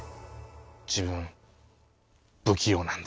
自分不器用なんで。